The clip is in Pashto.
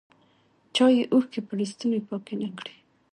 چایې اوښکي په لستوڼي پاکي نه کړې